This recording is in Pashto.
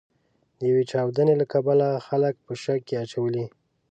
د یوې چاودنې له کبله خلک په شک کې اچولي.